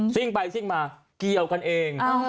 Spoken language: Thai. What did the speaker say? ่งไปซิ่งมาเกี่ยวกันเอง